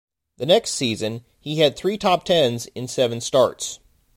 The next season, he had three top-tens in seven starts.